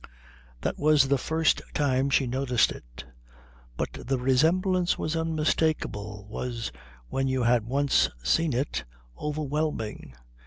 That was the first time she noticed it, but the resemblance was unmistakable, was, when you had once seen it, overwhelming.